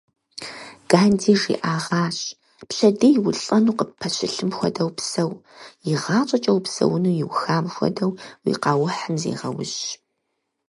Ганди жиӏагъащ: пщэдей улӏэну къыппэщылъым хуэдэу псэу, игъащӏэкӏэ упсэуну иухам хуэдэу уи къэухьым зегъэужь.